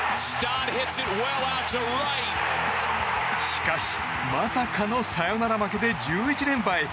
しかし、まさかのサヨナラ負けで１１連敗。